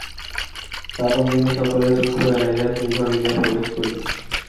কাদম্বিনী সকলের চক্ষু এড়াইয়া সেই ঘরে গিয়া প্রবেশ করিল।